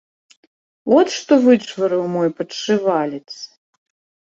От што вычварыў мой падшывалец.